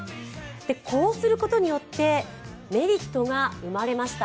こうすることによってメリットが生まれました。